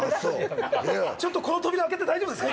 ちょっとこの扉開けて大丈夫ですか？